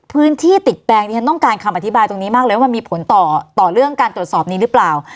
พื้นที่ติดแปลงที่ฉันต้องการคำอธิบายตรงนี้มากเลยว่ามันมีผลต่อต่อเรื่องการตรวจสอบนี้หรือเปล่า